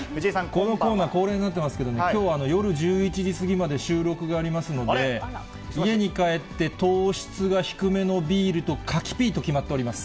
このコーナー恒例になっておりますが、きょうは夜１１時過ぎまで収録がありますので、家に帰って糖質が低めのビールと柿ピーと決まっております。